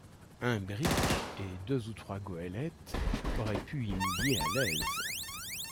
Un brick et deux ou trois goëlettes auraient pu y mouiller à l’aise.